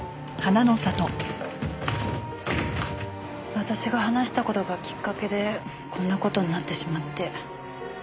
私が話した事がきっかけでこんな事になってしまって。